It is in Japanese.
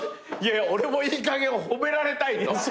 「俺もいいかげん褒められたい」